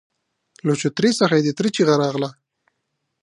له چوترې څخه يې د تره چيغه راغله!